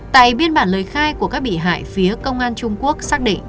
tại biên bản lời khai của các bị hại phía công an trung quốc xác định